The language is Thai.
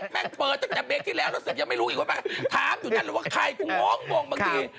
น้ำเพชรถามอยู่นั่นหรือว่าใครกูง้องบ่งบางที